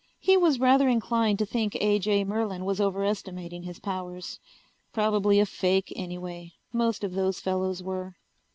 He was rather inclined to think A. J. Merlin was overestimating his powers. Probably a fake, anyway. Most of those fellows were.